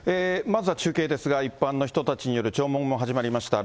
まずは中継ですが、一般の人たちによる弔問も始まりました。